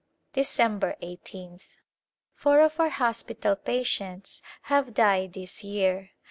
December iSth. Four of our hospital patients have died this year.